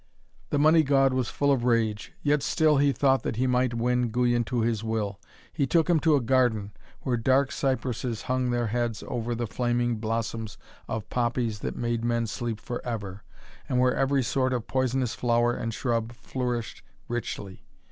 The Money God was full of rage, yet still he thought that he might win Guyon to his will. He took him to a garden where dark cypresses hung their heads over the flaming blossoms of poppies that made men sleep for ever, and where every sort of poisonous flower and shrub flourished richly.